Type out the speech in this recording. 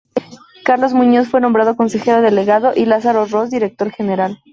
Carlos Muñoz fue nombrado consejero delegado y Lázaro Ros director general.